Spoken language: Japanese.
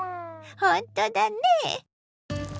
ほんとだね。